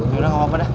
yaudah gak apa apa dah